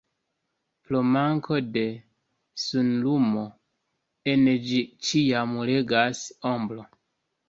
Pro manko de sunlumo, en ĝi ĉiam regas ombro.